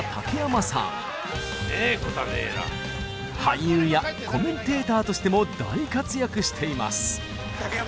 俳優やコメンテーターとしても大活躍しています。